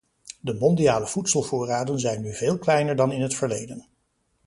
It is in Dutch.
De mondiale voedselvoorraden zijn nu veel kleiner dan in het verleden.